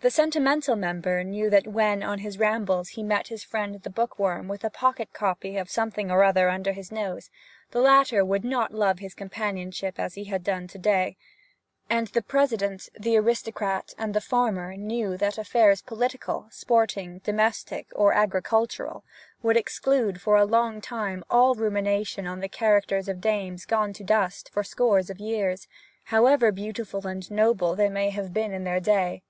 The sentimental member knew that when, on his rambles, he met his friend the bookworm with a pocket copy of something or other under his nose, the latter would not love his companionship as he had done to day; and the President, the aristocrat, and the farmer knew that affairs political, sporting, domestic, or agricultural would exclude for a long time all rumination on the characters of dames gone to dust for scores of years, however beautiful and noble they may have been in their day.